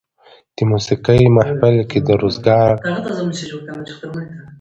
د موسېقۍ محفل کې د روزګان د خلکو